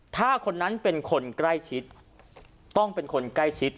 ถ้าคนนั้นเป็นคนใกล้ชิดต้องเป็นคนใกล้ชิด